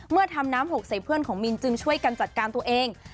ทำน้ำหกใส่เพื่อนของมินจึงช่วยกันจัดการตัวเอง